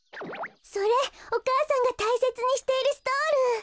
それお母さんがたいせつにしているストール！